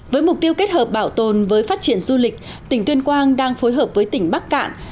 với mục tiêu kết hợp bảo tồn với phát triển du lịch tỉnh tuyên quang đang phối hợp với tỉnh bắc cạn